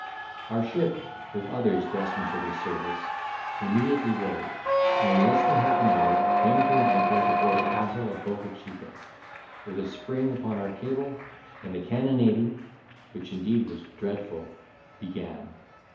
Our ship, with others destined for this service, immediately weighed, and in less than half an hour came to an anchor before the castle of Bocca Chica, with a spring upon our cable, and the cannonading (which indeed was dreadful) began.